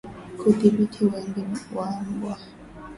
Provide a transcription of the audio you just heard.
Kudhibiti wingi wa mbwa